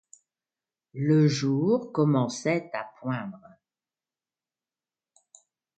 Le jour commençait à poindre.